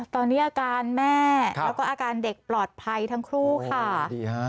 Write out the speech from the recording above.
ตอนนี้อาการแม่แล้วก็อาการเด็กปลอดภัยทั้งคู่ค่ะดีฮะ